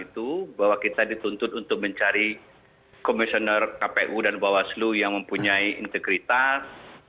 itu bahwa kita dituntut untuk mencari komisioner kpu dan bawaslu yang mempunyai integritas